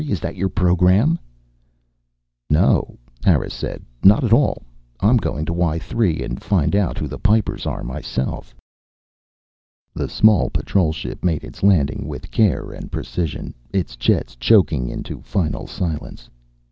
Is that your program?" "No," Harris said. "Not at all. I'm going to Y 3 and find out who the Pipers are, myself." The small patrol ship made its landing with care and precision, its jets choking into final silence.